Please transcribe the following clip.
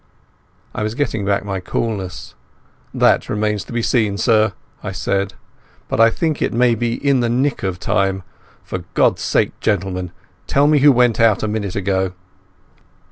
I was getting back my coolness. "That remains to be seen, sir," I said; "but I think it may be in the nick of time. For God's sake, gentlemen, tell me who went out a minute ago?"